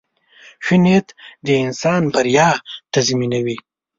• ښه نیت د انسان بریا تضمینوي.